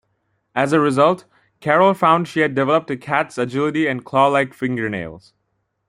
As a result, Carol found she had developed a cat's agility and claw-like fingernails.